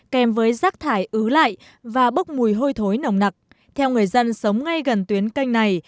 kèm với rác thải ứ lại và bốc mùi hôi thối nồng nặc theo người dân sống ngay gần tuyến canh này